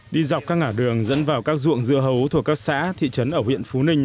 đi dọc các ngã đường dẫn vào các ruộng dưa hấu thuộc các xã thị trấn ở huyện phú ninh